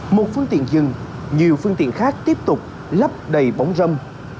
một phương tiện dừng nhiều phương tiện khác tiếp tục lắp đầy bóng dâm